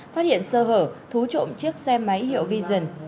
phát hiện sơ hở thú trộm chiếc xe máy hiệu vision